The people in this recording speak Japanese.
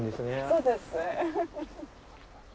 そうですね。